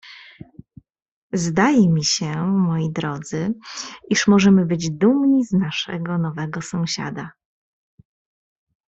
"Zdaje mi się, moi drodzy, iż możemy być dumni z naszego nowego sąsiada."